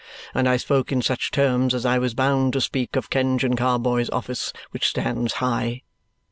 And I spoke in such terms as I was bound to speak of Kenge and Carboy's office, which stands high.